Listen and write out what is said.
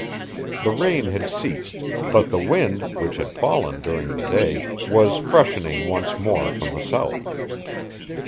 The rain had ceased, but the wind, which had fallen during the day, was freshening once more from the south.